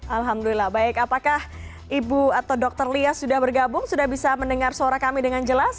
alhamdulillah baik apakah ibu atau dr lia sudah bergabung sudah bisa mendengar suara kami dengan jelas